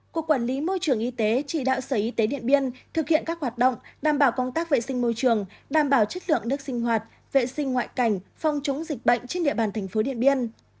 cục quản lý môi trường y tế chỉ đạo sở y tế điện biên thực hiện các hoạt động đảm bảo công tác vệ sinh môi trường đảm bảo chất lượng nước sinh hoạt vệ sinh ngoại cảnh phòng chống dịch bệnh trên địa bàn thành phố điện biên